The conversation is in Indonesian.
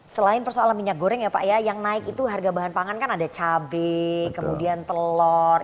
selain persoalan minyak goreng ya pak ya yang naik itu harga bahan pangan kan ada cabai kemudian telur